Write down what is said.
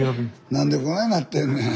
何でこないなってんねん。